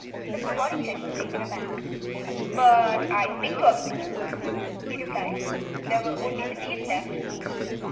Mr. Waddington was taken aback. "But I picked all the beans," he replied. "There were only the leaves left."